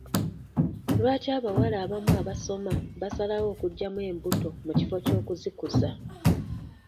Lwaki abawala abamu abasoma basalawo okuggyamu embuto mu kifo ky'okuzikuza?